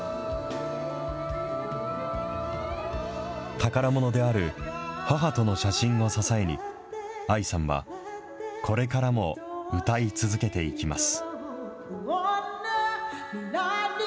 宝ものである、母との写真を支えに、ＡＩさんはこれからも歌い続けていきます。